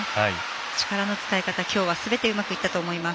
力の使い方、きょうはすべてうまくいったと思います。